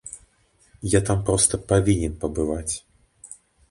Я там проста павінен пабываць.